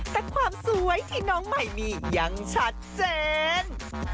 แต่ความสวยที่น้องใหม่มียังชัดเจน